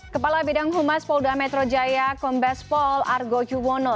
kepala bidang humas polda metro jaya kumbespol argo juwono